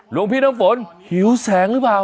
หลวงพี่น้ำฝนหิวแสงหรือเปล่า